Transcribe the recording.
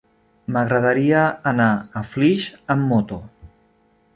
M'agradaria anar a Flix amb moto.